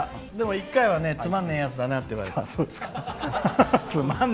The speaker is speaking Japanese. １回は、つまんねえやつだなって言われた。